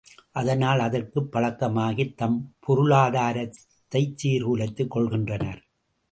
அதனால் அதற்குப் பழக்கமாகித் தம் பொருளாதாரத்தைச் சீர்குலைத்துக் கொள்கின்றனர்.